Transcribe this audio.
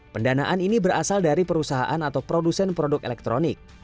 pendanaan ini berasal dari perusahaan atau produsen yang berpengaruh untuk mengelola limbah dan sampah